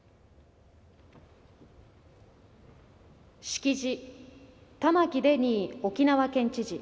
式辞、玉城デニー沖縄県知事。